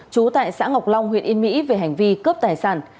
trú tại xã ngọc long huyện yên mỹ về hành vi cướp tài sản